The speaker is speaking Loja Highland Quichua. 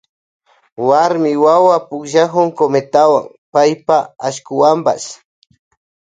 Warmi wawa pukllakun cometawan paypa ashkuwanpash.